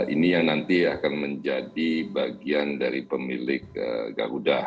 ini yang nanti akan menjadi bagian dari pemilik garuda